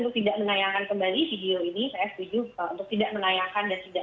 pertama terima kasih untuk tidak menayangkan kembali video ini